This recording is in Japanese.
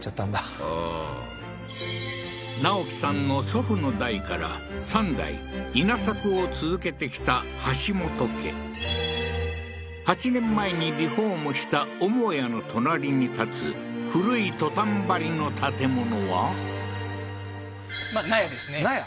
あー直樹さんの祖父の代から三代稲作を続けてきた橋本家８年前にリフォームした母屋の隣に建つ古いトタン張りの建物は納屋ですね納屋？